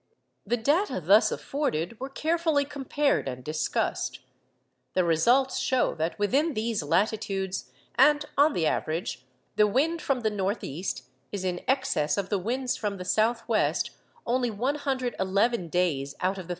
The data thus afforded were carefully compared and discussed. The results show that within these latitudes—and on the average—the wind from the north east is in excess of the winds from the south west only 111 days out of the 365.